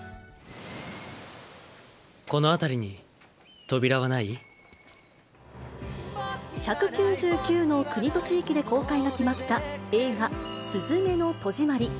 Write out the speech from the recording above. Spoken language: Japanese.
この辺りに扉はない？１９９の国と地域で公開が決まった映画、すずめの戸締まり。